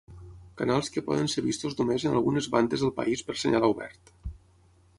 Canals que poden ser vistos només en algunes bandes del país per senyal obert.